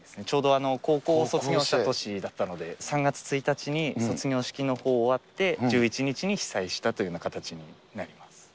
ちょうど高校卒業した年だったので、３月１日に卒業式のほう終わって、１１日に被災したというような形になります。